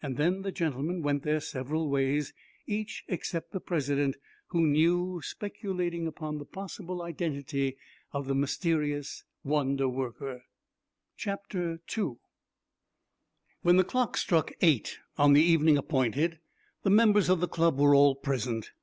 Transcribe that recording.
Then the gentlemen went their several ways, each, except the President who knew, speculating upon the possible identity of the mysterious wonder worker. II When the clock struck eight on the evening appointed, the members of the Club were all present.